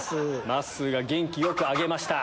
まっすーが元気よく挙げました。